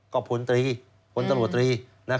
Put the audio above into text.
ก็พลตรีผลตำรวจตรี